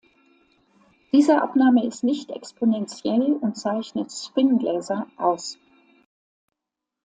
Diese Abnahme ist "nicht" exponentiell und zeichnet Spin-Gläser aus.